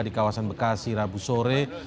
di kawasan bekasi rabu sore